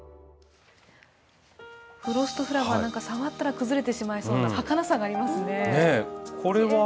フロストフラワー触ったら壊れそうなはかなさがありますね。